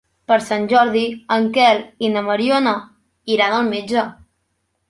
Per Sant Jordi en Quel i na Mariona iran al metge.